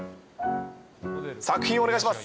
作品お願いします。